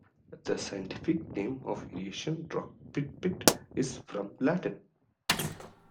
The scientific name of the Eurasian rock pipit is from Latin.